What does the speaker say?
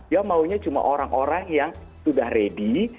dia maunya cuma orang orang yang sudah ready